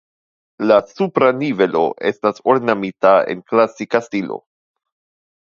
La supra nivelo estas ornamita en klasika stilo.